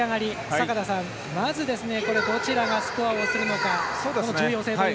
坂田さん、まずはどちらがスコアするのかという重要性。